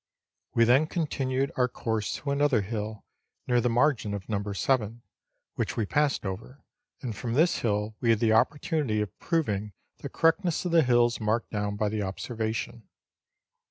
We then con tinued our course to another hill, near the margin of No. 7, which we passed over, and from this hill we had the opportunity of proving the correctness of the hills marked down by observation.